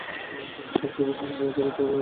যাকে সবচেয়ে বেশী সন্দেহ করি তাকেই আমি কোণঠাসা করি।